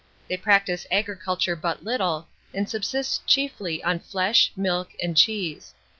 They practise agriculture but little, and subsist chiefly on flesh, milk, and cheese.